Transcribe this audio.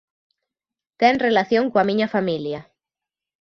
Ten relación coa miña familia.